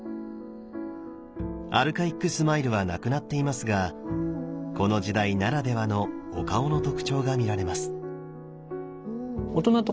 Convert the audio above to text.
アルカイックスマイルはなくなっていますがこの時代ならではのお顔の特徴が見られます。